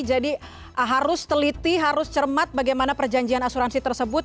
jadi harus teliti harus cermat bagaimana perjanjian asuransi tersebut